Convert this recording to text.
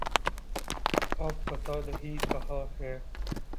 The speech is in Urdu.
اب پتہ نہیں کہاں ہیں۔